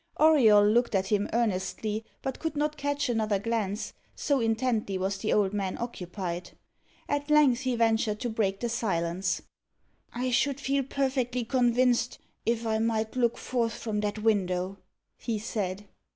Auriol looked at him earnestly, but could not catch another glance, so intently was the old man occupied. At length he ventured to break the silence. "I should feel perfectly convinced, if I might look forth from that window," he said.